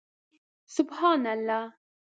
سبحان الله